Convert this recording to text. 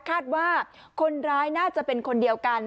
คาดว่าคนร้ายน่าจะเป็นคนเดียวกัน